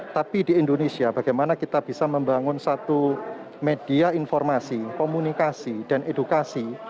tapi di indonesia bagaimana kita bisa membangun satu media informasi komunikasi dan edukasi